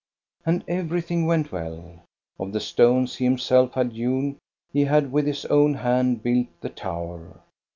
And everything went well. Of the stones he KEVENHiJLLER 42 1 himself had hewn he had with his own hand built the tower.